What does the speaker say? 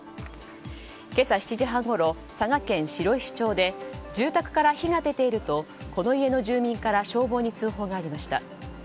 今朝７時半ごろ佐賀県白石町で住宅から火が出ているとこの家の住民から消防に通報がありました。